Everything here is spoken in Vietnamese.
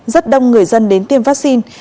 rất đông người dân đến tiêm vaccine